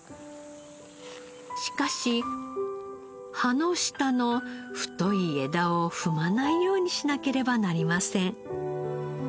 しかし葉の下の太い枝を踏まないようにしなければなりません。